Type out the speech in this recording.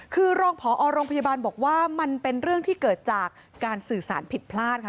คือรองผอโรงพยาบาลบอกว่ามันเป็นเรื่องที่เกิดจากการสื่อสารผิดพลาดค่ะ